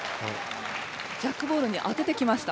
ジャックボールにあててきました。